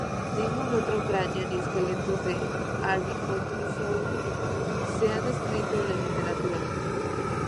Ningún otro cráneo ni esqueletos de "Abrictosauru"s se han descrito en la literatura.